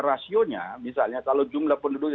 rasionya misalnya kalau jumlah penduduknya